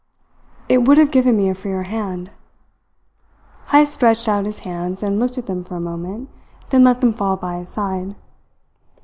"It would have given me a freer hand." Heyst stretched out his hands and looked at them for a moment, then let them fall by his side.